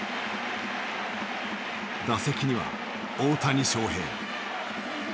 打席には大谷翔平。